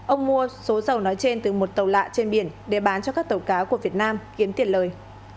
ông mua số dầu nói trên từ một tàu lạ trên biển để bán cho các tàu cá của việt nam kiếm tiền lời